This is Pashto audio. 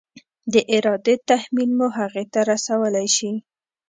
د ارادې تحمیل مو هغې ته رسولی شي؟